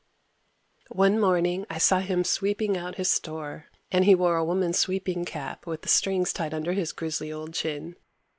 One morning I saw him sweeping out his store and he wore a woman's sweeping cap with the strings tied under his grisly old chin.